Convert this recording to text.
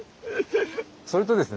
それとですね